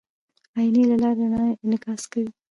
د آیینې له لارې رڼا انعکاس کوي.